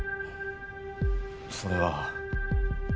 それは。